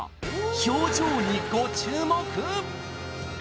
表情にご注目！